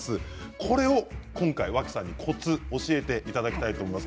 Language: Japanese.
これを今回、脇さんにコツを教えていただきたいと思います。